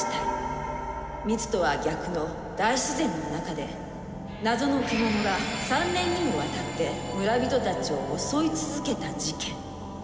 「密」とは逆の大自然の中で謎の獣が３年にもわたって村人たちを襲い続けた事件。